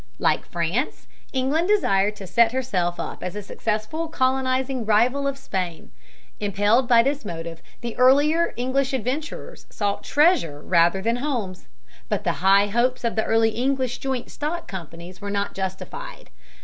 Like France, England desired to set herself up as a successful colonizing rival of Spain. Impelled by this motive, the earlier English adventurers sought treasure rather than homes. But the high hopes of the early English joint stock companies were not justified.